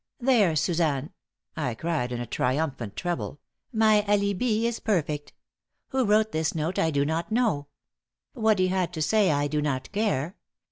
"There, Suzanne." I cried, in a triumphant treble, "my alibi is perfect. Who wrote this note I do not know. What he had to say I do not care.